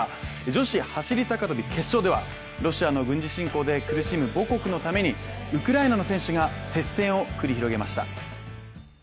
女子走高跳決勝では、ロシアの軍事侵攻で苦しむ母国のためにウクライナの選手が接戦を繰り広げました。